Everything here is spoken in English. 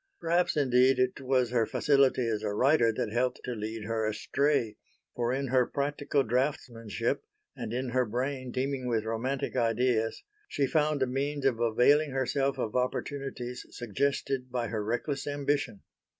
Perhaps, indeed, it was her facility as a writer that helped to lead her astray; for in her practical draughtsmanship and in her brain teeming with romantic ideas she found a means of availing herself of opportunities suggested by her reckless ambition.